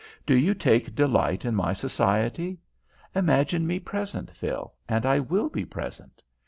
Do you take delight in my society? Imagine me present, Phil, and I will be present.